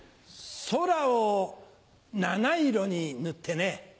空を七色に塗ってね。